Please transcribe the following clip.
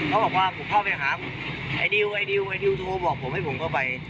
เขาบอกว่าผมเข้าไปหาไอดิวไอดิวไอดิวโทรบอกผมให้ผมเข้าไป